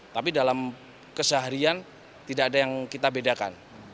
tapi dalam keseharian tidak ada yang kita bedakan